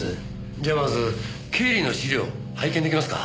じゃあまず経理の資料拝見できますか？